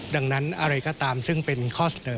ดังนั้นอะไรก็ตามซึ่งเป็นข้อเสนอ